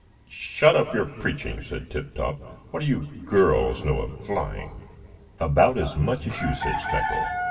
"Shut up your preaching," said Tip Top; "what do you girls know of flying?" "About as much as you," said Speckle.